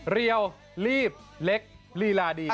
เรียวลีบเล็กลีลาดี